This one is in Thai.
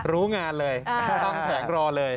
รู้งานเลยตั้งแผงรอเลย